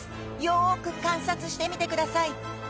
よく観察してみてください